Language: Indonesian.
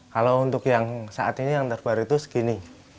kalau untuk yang saat ini yang terbaru itu segini